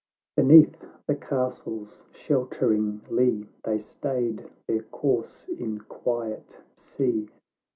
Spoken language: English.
sxiv Beneath the Castle's sheltering lee, They stayed their course in quiet sea.